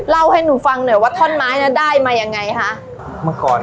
เล่าให้หนูฟังหน่อยว่าท่อนไม้น่ะได้มายังไงคะเมื่อก่อน